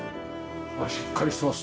あっしっかりしてますね。